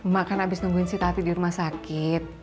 mak kan abis nungguin si tati di rumah sakit